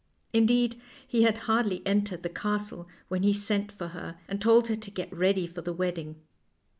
Indeed, he had hardly entered the castle when he sent for her, and told her to get ready for the wedding.